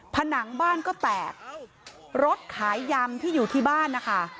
ผนังบ้านก็แตกรถขายยำที่อยู่ที่บ้านนะคะ